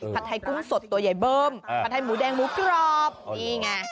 ไทยกุ้งสดตัวใหญ่เบิ้มผัดไทยหมูแดงหมูกรอบนี่ไง